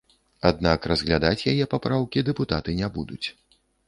Аднак разглядаць яе папраўкі дэпутаты не будуць.